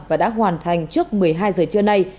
và đã hoàn thành trước một mươi hai giờ trưa nay